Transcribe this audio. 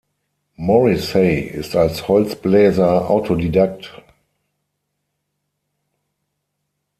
Morrissey ist als Holzbläser Autodidakt.